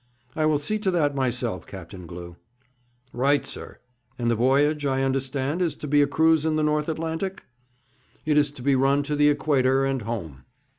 'I will see to that myself, Captain Glew.' 'Right, sir. And the voyage, I understand, is to be a cruise in the North Atlantic?' 'It is to be a run to the Equator and home.'